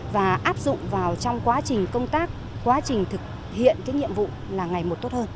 và áp dụng vào trong quá trình công tác quá trình thực hiện cái nhiệm vụ là ngày một tốt hơn